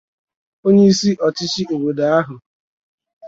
onyeisi ọchịchị obodo ahụ